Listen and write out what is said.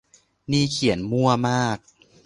นี่เขียนมั่วมาก